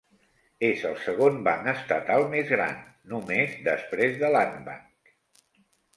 És el segon banc estatal més gran, només després de Landbank.